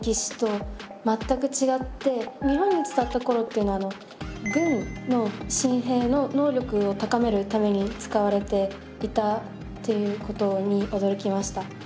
日本に伝わった頃っていうのは軍の新兵の能力を高めるために使われていたっていうことに驚きました。